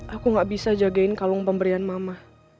aku gak bisa jagain kalung pemberian mama